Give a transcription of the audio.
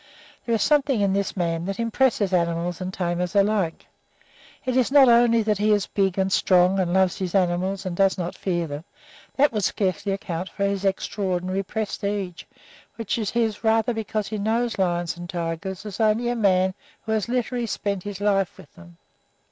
There is something in this man that impresses animals and tamers alike. It is not only that he is big and strong, and loves his animals, and does not fear them; that would scarcely account for his extraordinary prestige, which is his rather because he knows lions and tigers as only a man can who has literally spent his life with them.